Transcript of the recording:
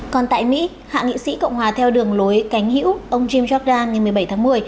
còn tại mỹ hạ nghị sĩ cộng hòa theo đường lối cánh hữu ông jim jordan ngày một mươi bảy tháng một mươi